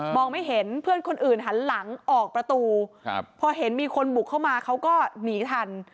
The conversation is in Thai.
ไม่เห็นเพื่อนคนอื่นหันหลังออกประตูครับพอเห็นมีคนบุกเข้ามาเขาก็หนีทัน